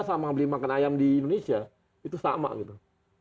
sama beli makan ayam di indonesia itu sama gitu